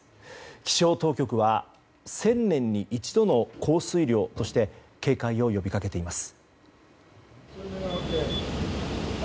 気象当局は１０００年に一度の降水量として警戒を呼びかけています。